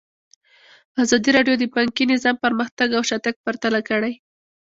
ازادي راډیو د بانکي نظام پرمختګ او شاتګ پرتله کړی.